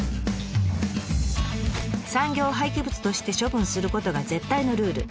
産業廃棄物として処分することが絶対のルール。